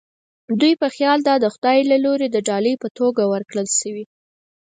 دوی په خیال دا د خدای له لوري د ډالۍ په توګه ورکړل شوې.